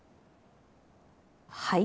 はい？